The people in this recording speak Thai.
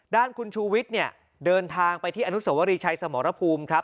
ด้านคุณชูวิทย์เดินทางไปที่อนุสวรีชัยสมรภูมิ